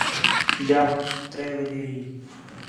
جا تا وخت تَرے وڄے ہی